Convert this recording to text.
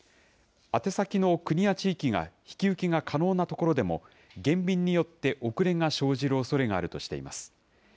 宛先の国や地域が引き受けが可能な所でも、減便によって遅れが生じるおそれがあるとしています。